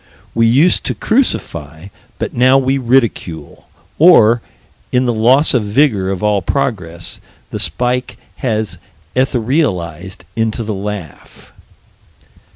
We used to crucify, but now we ridicule: or, in the loss of vigor of all progress, the spike has etherealized into the laugh.